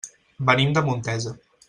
Venim de Montesa.